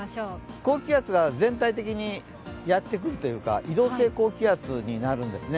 高気圧が全体的にやってくるというか、移動性高気圧になるんですね。